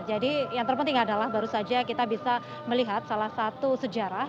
jadi yang terpenting adalah baru saja kita bisa melihat salah satu sejarah